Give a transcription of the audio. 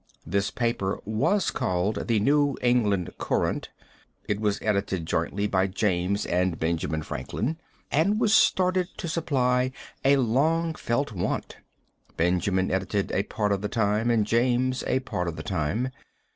This paper was called the New England Courant. It was edited jointly by James and Benjamin Franklin, and was started to supply a long felt want. Benjamin edited a part of the time and James a part of the time.